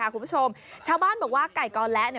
คุณผู้ชมชาวบ้านบอกว่าไก่กอและเนี่ย